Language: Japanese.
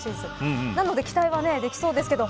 なので期待はできそうですけど。